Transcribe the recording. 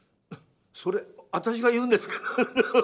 「それ私が言うんですけど」。